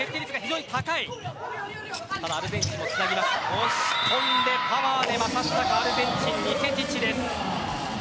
押し込んでパワーで勝ったかアルゼンチン、ニセティチです。